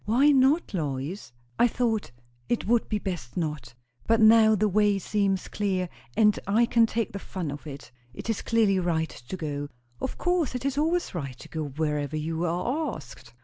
"Why not, Lois?" "I thought it would be best not. But now the way seems clear, and I can take the fun of it. It is clearly right to go." "Of course! It is always right to go wherever you are asked."